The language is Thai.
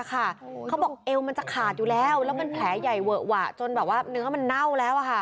ก็เลยแจ้งกู้ไพมาค่ะ